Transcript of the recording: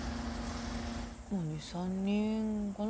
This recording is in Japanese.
まあ２３人かな？